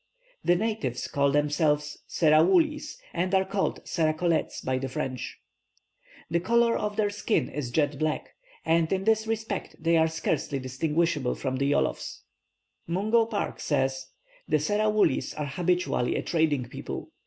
The natives call themselves Serawoullis, and are called Seracolets by the French. The colour of their skin is jet black, and in this respect they are scarcely distinguishable from the Yolofs. Mungo Park says, "The Serawoollis are habitually a trading people.